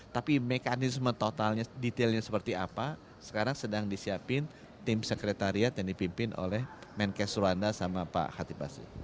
tapi mekanisme totalnya detailnya seperti apa sekarang sedang disiapin tim sekretariat yang dipimpin oleh menkes suranda sama pak khatib basri